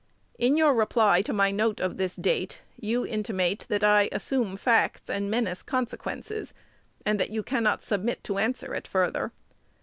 In your reply to my note of this date, you intimate that I assume facts and menace consequences, and that you cannot submit to answer it further.